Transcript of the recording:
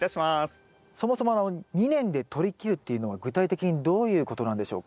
そもそも２年でとりきるっていうのは具体的にどういうことなんでしょうか？